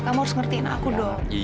kamu harus ngertiin aku dong